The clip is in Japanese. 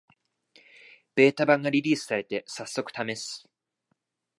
ベータ版がリリースされて、さっそくためす